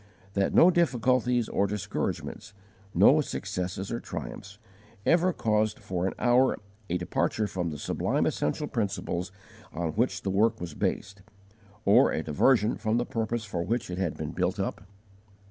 that no difficulties or discouragements, no successes or triumphs, ever caused for an hour a departure from the sublime essential principles on which the work was based, or a diversion from the purpose for which it had been built up?